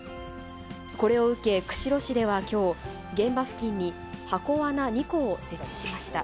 これを受け、釧路市ではきょう、現場付近に箱わな２個を設置しました。